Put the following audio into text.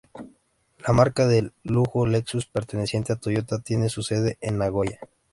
La marca de lujo Lexus perteneciente a Toyota, tiene su sede en Nagoya.